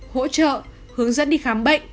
hỗ trợ hướng dẫn đi khám bệnh